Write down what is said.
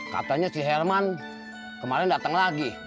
katanya si herman kemarin datang lagi